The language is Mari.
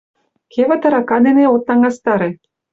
— Кевыт арака дене от таҥастаре.